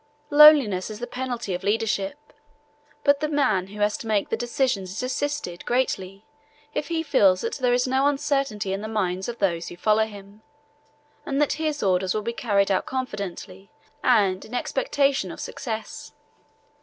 Loneliness is the penalty of leadership, but the man who has to make the decisions is assisted greatly if he feels that there is no uncertainty in the minds of those who follow him, and that his orders will be carried out confidently and in expectation of success.